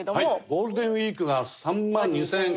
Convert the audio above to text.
ゴールデンウィークが３万２０００円から。